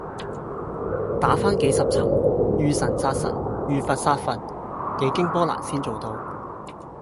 打番幾十層遇神殺神、遇佛殺佛，幾經波瀾先做到